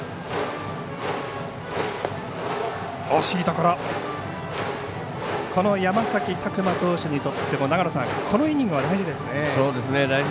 この山崎琢磨投手にとってもこのイニングは大事ですね。